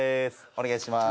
お願いします。